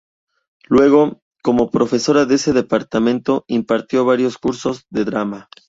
Luego, como profesora de ese Departamento, impartió varios cursos de Drama.